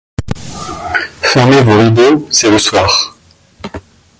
Fermez vos rideaux, c’est le soir